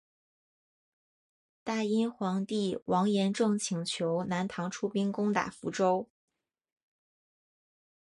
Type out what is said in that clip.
大殷皇帝王延政请求南唐出兵攻打福州。